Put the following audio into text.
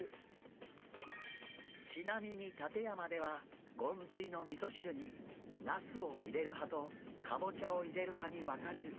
ちなみに館山ではゴンズイのみそ汁になすを入れる派とかぼちゃを入れる派に分かれるそう。